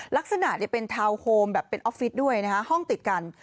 ลักษณะเป็นทาวน์โฮมแบบเป็นออฟฟิศด้วยนะคะห้องติดกัน